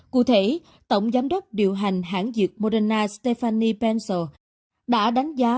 cụ thể tổng giám đốc điều hành hãng dược moderna stephanie pencil đã đánh giá